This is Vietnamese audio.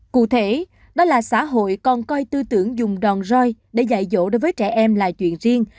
cụ thể đó là xã hội còn coi tư tưởng dùng đòn roy để dạy dỗ đối với trẻ em là chuyện riêng